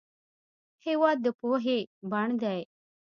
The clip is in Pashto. هېواد د پوهې بڼ دی.